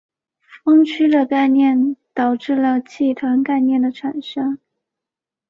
锋区的概念导致了气团概念的产生。